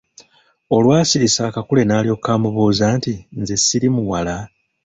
Olwasirisa akakule n’alyoka amubuuza nti "Nze siri muwala".